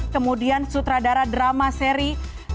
kemudian sutradara drama seri sembilan puluh tujuh